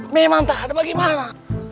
memang tak ada bagaimana